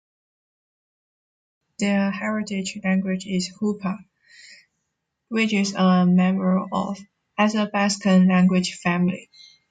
Their heritage language is Hupa, which is a member of the Athabaskan language family.